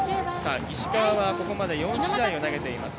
石川はここまで４試合を投げています。